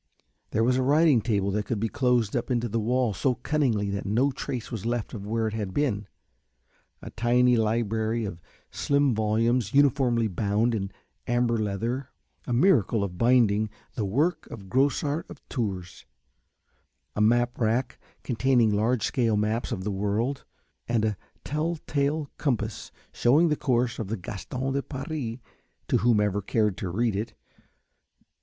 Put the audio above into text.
There was a writing table that could be closed up into the wall so cunningly that no trace was left of where it had been, a tiny library of slim volumes uniformly bound in amber leather, a miracle of binding, the work of Grossart of Tours, a map rack containing large scale maps of the world, and a tell tale compass shewing the course of the Gaston de Paris to whomever cared to read it.